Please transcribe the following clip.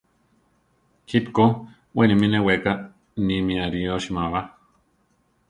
Jipe ko we nimí neweká nimí ariósima ba.